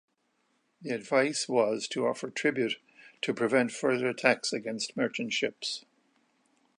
The advice was to offer tribute to prevent further attacks against merchant ships.